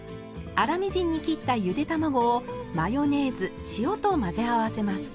粗みじんに切ったゆで卵をマヨネーズ塩と混ぜ合わせます。